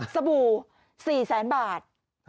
บู่๔แสนบาท